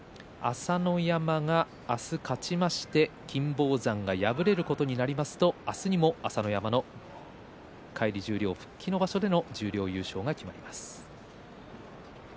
朝乃山が明日勝ちまして金峰山が敗れると明日にも朝乃山の返り十両復帰の場所での十両優勝が決まります。